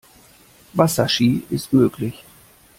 Wasserski ist möglich.